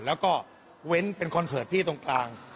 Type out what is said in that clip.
แล้วก็เว้นเป็นคอนเสิร์ตพี่ตรงกลาง